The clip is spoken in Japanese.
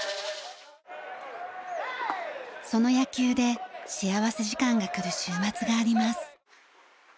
その野球で幸福時間が来る週末があります。